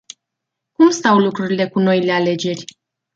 Cum stau lucrurile cu noile alegeri?